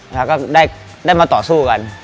แล้วก็ได้มาต่อสู้กัน